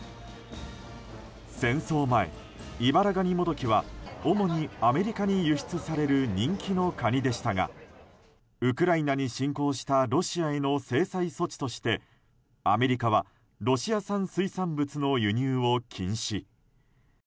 戦争前、イバラガニモドキは主にアメリカに輸出される人気のカニでしたがウクライナに侵攻したロシアへの制裁措置として、アメリカはロシア産水産物の輸入を禁止。